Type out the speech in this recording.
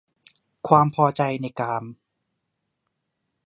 ความพอใจในกาม